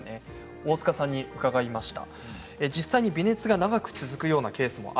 大塚さんに伺いました。